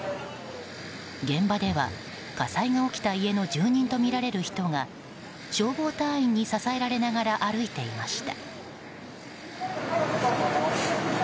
現場では火災が起きた家の住人とみられる人が消防隊員に支えられながら歩いていました。